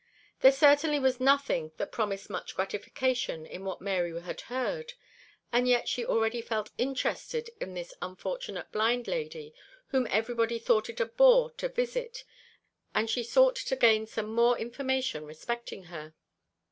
There certainly was nothing that promised much gratification in what Mary had heard; and yet she already felt interested in this unfortunate blind lady whom everybody thought it a bore to visit, and she sought to gain some more information respecting her.